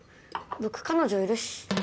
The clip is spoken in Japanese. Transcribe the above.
僕彼女いるし。